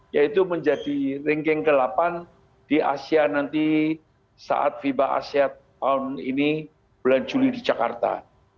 yaitu menjadi ringgeng ke delapan di asia nanti saat viva asia tahun ini berlanjuri di jakarta